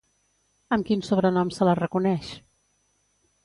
Amb quin sobrenom se la reconeix?